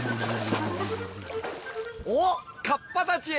おっカッパたち！